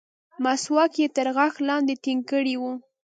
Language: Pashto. مسواک يې تر غاښ لاندې ټينګ کړى و.